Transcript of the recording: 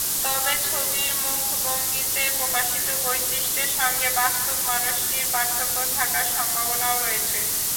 তবে ছবির মুখভঙ্গিতে প্রকাশিত বৈশিষ্ট্যের সঙ্গে বাস্তব মানুষটির পার্থক্য থাকার সম্ভাবনাও রয়েছে।